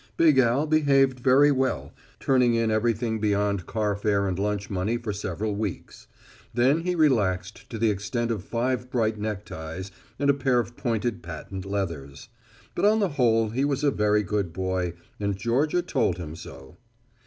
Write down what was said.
Big Al behaved very well, turning in everything beyond carfare and lunch money for several weeks. Then he relaxed to the extent of five bright neckties and a pair of pointed patent leathers. But on the whole he was a very good boy, and Georgia told him so.